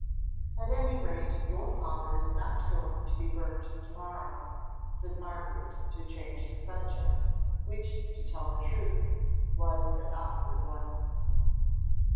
"At any rate your father is not going to be burnt to morrow," said Margaret to change the subject, which, to tell the truth, was an awkward one.